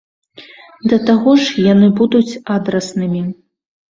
Да таго ж яны будуць адраснымі.